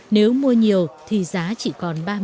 nếu mua nhiều thì giá chỉ còn